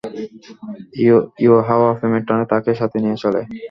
ইউহাওয়া প্রেমের টানে তাকে সাথে নিয়ে চলে।